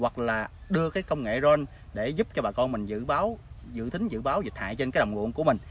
hoặc là đưa công nghệ ron để giúp cho bà con mình dự tính dự báo dịch hại trên đồng ruộng của mình